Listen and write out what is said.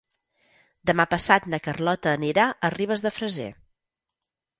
Demà passat na Carlota anirà a Ribes de Freser.